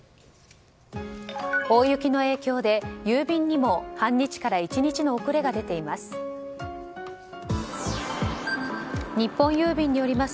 大雪の影響で郵便にも半日から１日の遅れが出ています。